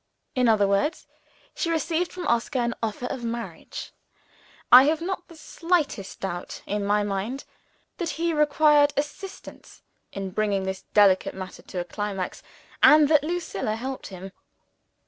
In other words, she received from Oscar an offer of marriage. I have not the slightest doubt, in my own mind, that he required assistance in bringing this delicate matter to a climax and that Lucilla helped him.